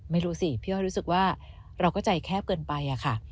ไม่รู้สิพี่อ้อยรู้สึกว่าเราก็ใจแคบเกินไปอะค่ะ